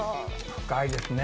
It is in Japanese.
深いですね。